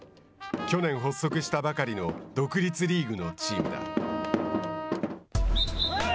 去年、発足したばかりの独立リーグのチームだ。